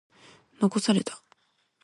残された。